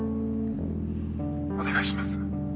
「お願いします。